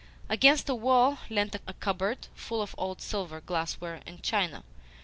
Against a wall leant a cupboard, full of old silver, glassware, and china.